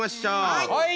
はい！